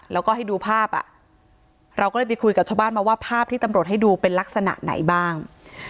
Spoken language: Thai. แล้วก็ให้ดูภาพอ่ะเราก็เลยไปคุยกับชาวบ้านมาว่าภาพที่ตำรวจให้ดูเป็นลักษณะไหนบ้าง